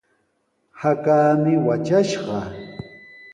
Hakaami watrashqa.